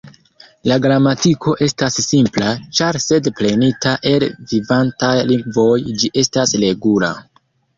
La gramatiko estas simpla, ĉar sed prenita el vivantaj lingvoj, ĝi estas regula.